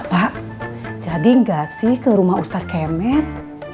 pak jadi nggak sih ke rumah ustadz kemen